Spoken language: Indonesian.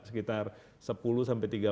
sekitar sepuluh sampai tiga